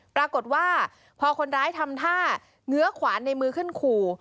ปรากฏว่าพอคนร้ายทำท่าเงื้อขวานในมือขึ้นขู่